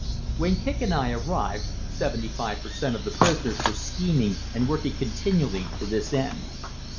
When Kicq and I arrived, 75 per cent. of the prisoners were scheming and working continually to this end.